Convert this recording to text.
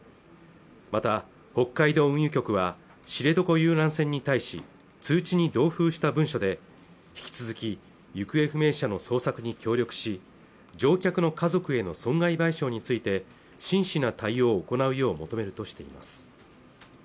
また北海道運輸局は知床遊覧船に対し通知に同封した文書で引き続き行方不明者の捜索に協力し乗客の家族への損害賠償について真摯な対応を行うよう求めるとしています